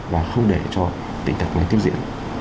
và không để cho tỉnh tật này tiếp diễn